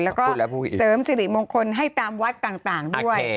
แล้วก็เสริมสิริมงคลให้ตามวัดต่างด้วย